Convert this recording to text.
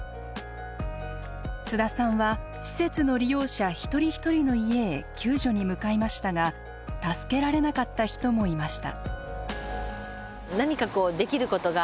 津田さんは施設の利用者１人１人の家へ救助に向かいましたが助けられなかった人もいました。